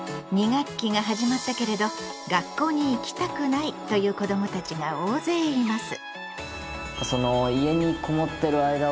２学期が始まったけれど「学校に行きたくない」という子どもたちが大勢います。